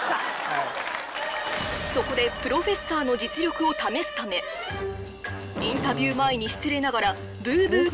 そこでプロフェッサーの実力を試すためインタビュー前に失礼ながらブーブー